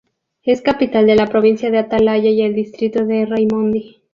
Es capital de la Provincia de Atalaya y el distrito de Raimondi.